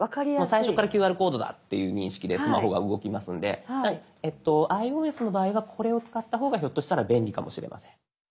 最初から「ＱＲコードだ」っていう認識でスマホが動きますのでｉＯＳの場合はこれを使った方がひょっとしたら便利かもしれません。